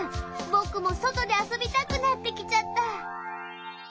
僕も外で遊びたくなってきちゃった。